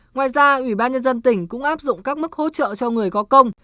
ngoài ra ủy ban nhân dân tỉnh cũng áp dụng các mức hỗ trợ cho người có công